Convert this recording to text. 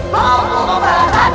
kau akan menang